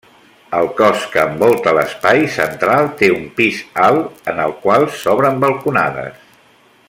El cos que envolta l'espai central té un pis alt, en el qual s'obren balconades.